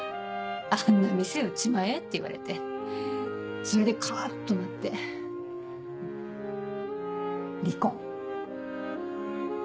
「あんな店売っちまえ」って言われてそれでカッ！となって離婚。